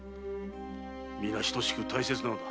みな等しく大切なのだ。